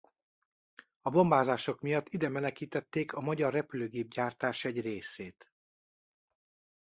A bombázások miatt ide menekítették a magyar repülőgépgyártás egy részét.